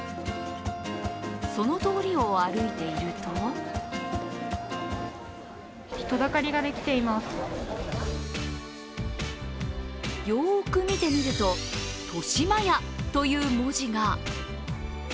その通りを歩いているとよくみてみると「豊島屋」という文字が。